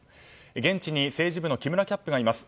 現地に政治部の木村キャップがいます。